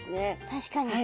確かに。